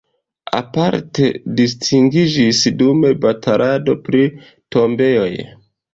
Aparte distingiĝis dum batalado pri tombejoj.